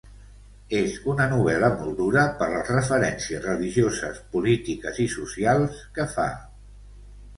És una novel·la molt dura per les referències religioses, polítiques i socials que fa.